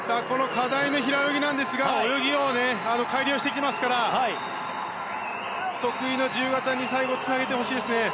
課題の平泳ぎなんですが泳ぎを改良してきてますから得意の自由形に最後つなげてほしいです。